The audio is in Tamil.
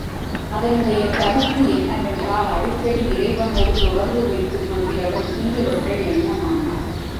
அதனுடைய கருத்து என்னவென்றால், அடிக்கடி இறைவனோடு தொடர்பு வைத்துக் கொள்கிறவன் தீயவற்றை எண்ண மாட்டான்.